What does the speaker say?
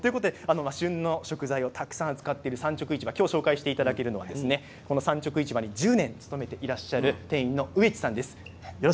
旬の食材をたくさん使っている産直市場、今日紹介していただけるのは産直市場に１０年勤めていらっしゃる店員の上地さんです。